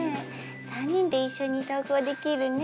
三人で一緒に登校できるねぇ。